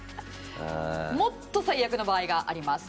もっと最悪の場合があります。